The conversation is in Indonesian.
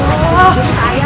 ayo keluar aja